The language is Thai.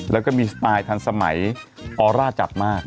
แล้วก็มีสไตล์ทันสมัยออร่าจัดมาก